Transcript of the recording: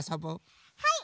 はい！